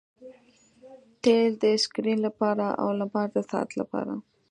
تیل د سکرین لپاره او لمر د ساعت لپاره